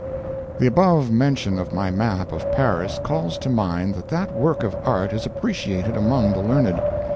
"The above mention of my map of Paris calls to mind that that work of art is appreciated among the learned.